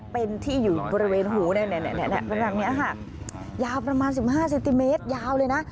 เป็นที่อยู่บริเวณหูเป็นแบบนี้ค่ะยาวประมาณ๑๕เซนติเมตรยาวเลยนะ